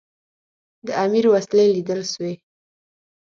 د امیر وسلې لیدل سوي.